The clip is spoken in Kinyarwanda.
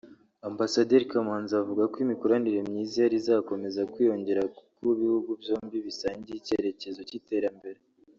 Ambasaderi Kamanzi avuga ko imikoranire myiza ihari izakomeza kwiyongera kuko ibihugu byombi bisangiye icyerekezo cy’iterambere